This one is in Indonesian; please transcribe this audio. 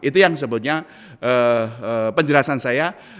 itu yang sebetulnya penjelasan saya